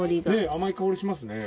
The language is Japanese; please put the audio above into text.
甘い香りしますね。